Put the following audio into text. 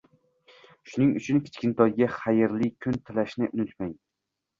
shuning uchun kichkintoyga xayrli kun tilashni unutmang.